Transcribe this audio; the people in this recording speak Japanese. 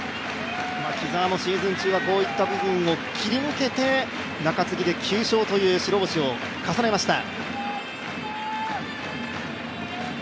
木澤もシーズン中はこういった部分を切り抜けて中継ぎで９勝という白星を重ねました。